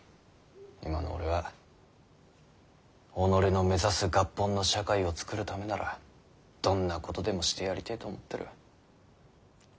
今の俺は己の目指す合本の社会を作るためならどんなことでもしてやりてぇと思ってる。